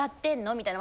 みたいな。